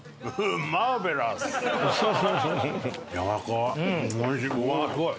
やわらかい。